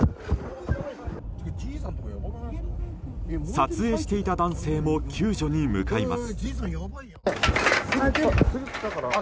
撮影していた男性も救助に向かいます。